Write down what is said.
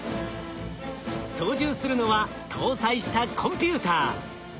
操縦するのは搭載したコンピューター。